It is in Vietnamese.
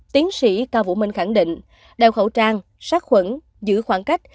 tiến sĩ cao vũ minh khẳng định đeo khẩu trang sát khuẩn giữ khoảng cách